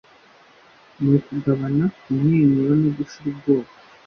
nukugabana kumwenyura no gushira ubwoba